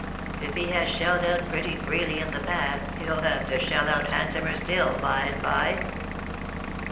If he has shelled out pretty freely in the past, he'll have to shell out handsomer still by and by."